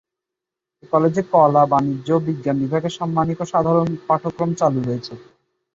এই কলেজে কলা, বাণিজ্য ও বিজ্ঞান বিভাগে সাম্মানিক ও সাধারণ পাঠক্রম চালু রয়েছে।